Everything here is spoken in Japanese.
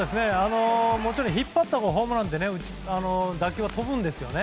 もちろん引っ張ったほうが打球は飛ぶんですよね。